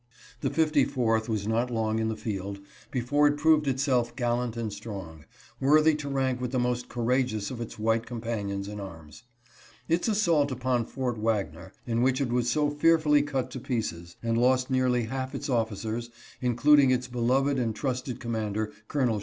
The 54th was not long in the field before it proved itself gal lant and strong, worthy to rank with the most courageous of its white companions in arms. Its assault upon Fort Wagner, in which it was so fearfully cut to pieces, and lost nearly half its officers, including its beloved and trusted commander, Col.